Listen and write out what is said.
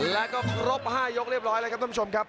แล้วก็ครบ๕ยกเรียบร้อยแล้วครับท่านผู้ชมครับ